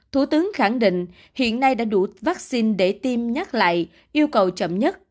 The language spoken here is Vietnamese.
thủ tướng khẳng định hiện nay đã đủ vaccine để tiêm nhắc lại yêu cầu chậm nhất